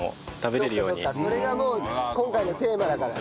そっかそっかそれが今回のテーマだからね。